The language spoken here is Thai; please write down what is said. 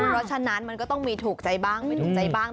เพราะฉะนั้นมันก็ต้องมีถูกใจบ้างไม่ถูกใจบ้าง